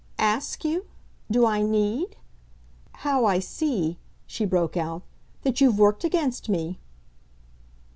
"'Ask' you? Do I need? How I see," she broke out, "that you've worked against me!"